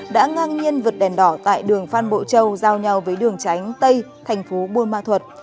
đã ngang nhiên vượt đèn đỏ tại đường phan bộ châu giao nhau với đường tránh tây thành phố buôn ma thuật